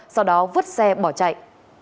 sau đó vứt xe bỏ chạy